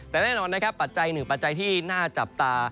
แต่แน่นอนนะครับปัจจัยหนึ่งปัจจัยที่น่าจับตา